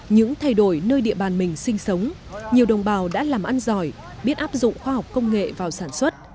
những thay đổi nơi địa bàn mình sinh sống nhiều đồng bào đã làm ăn giỏi biết áp dụng khoa học công nghệ vào sản xuất